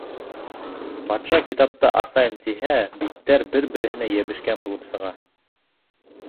Батша китапты асайым тиһә, биттәр бер-береһенә йәбешкән булып сыға.